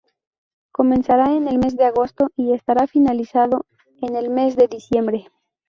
Comenzará en el mes de agosto y estará finalizado en el mes de diciembre.